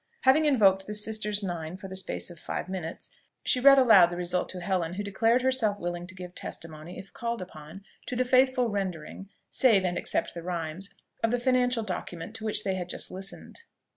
Having invoked the Sisters Nine for the space of five minutes, she read aloud the result to Helen, who declared herself willing to give testimony, if called upon, to the faithful rendering (save and except the rhymes) of the financial document to which they had just listened.